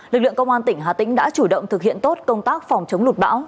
lực lượng công an tỉnh hà tĩnh đã chủ động thực hiện tốt công tác phòng chống lụt bão